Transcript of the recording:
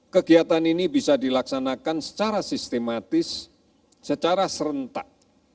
kegiatan ini bisa dilaksanakan secara sistematis secara serentak